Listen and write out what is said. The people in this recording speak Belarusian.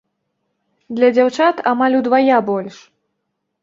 Для дзяўчат амаль удвая больш.